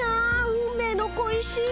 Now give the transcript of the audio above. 運命の小石。